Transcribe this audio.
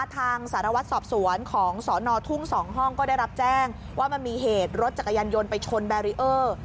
ทางสารวัตรสอบสวนของสนทุ่ง๒ห้องก็ได้รับแจ้งว่ามันมีเหตุรถจักรยานยนต์ไปชนแบรีเออร์